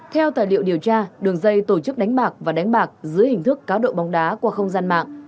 theo tài liệu điều tra đường dây tổ chức đánh bạc và đánh bạc dưới hình thức cáo độ bóng đá qua không gian mạng